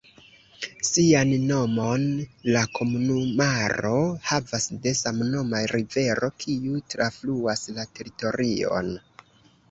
Sian nomon la komunumaro havas de samnoma rivero, kiu trafluas la teritorion.